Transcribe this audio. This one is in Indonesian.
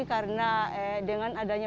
karena dengan adanya